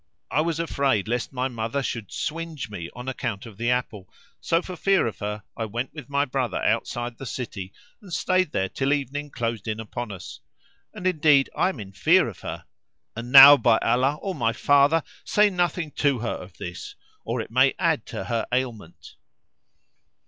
I was afraid lest my mother should swinge me on account of the apple, so for fear of her I went with my brother outside the city and stayed there till evening closed in upon us; and indeed I am in fear of her; and now by Allah, O my father, say nothing to her of this or it may add to her ailment!"